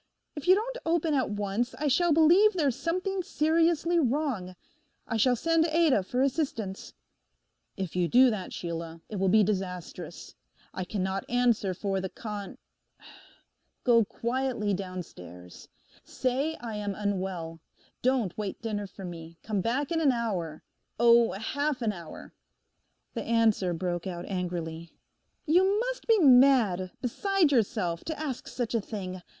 If you don't open at once I shall believe there's something seriously wrong: I shall send Ada for assistance.' 'If you do that, Sheila, it will be disastrous. I cannot answer for the con—. Go quietly downstairs. Say I am unwell; don't wait dinner for me; come back in an hour; oh, half an hour!' The answer broke out angrily. 'You must be mad, beside yourself, to ask such a thing.